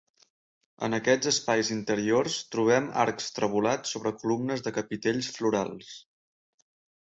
En aquests espais interiors trobem arcs trevolats sobre columnes de capitells florals.